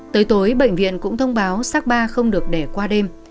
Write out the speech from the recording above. tới tối bệnh viện cũng thông báo sác ba không được để qua đêm